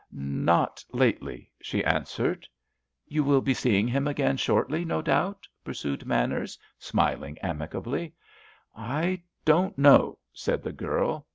"Not lately," she answered. "You will be seeing him again shortly, no doubt?" pursued Manners, smiling amicably. "I don't know," said the girl.